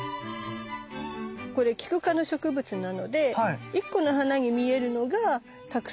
これキク科の植物なので１個の花に見えるのがたくさんの花の集まり。